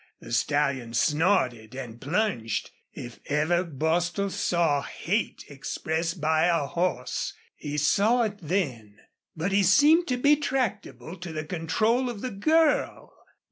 The stallion snorted and plunged. If ever Bostil saw hate expressed by a horse he saw it then. But he seemed to be tractable to the control of the girl.